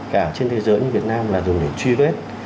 cả trên thế giới như việt nam là dùng để truy vết